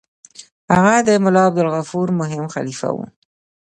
هغه د ملا عبدالغفور مهم خلیفه وو.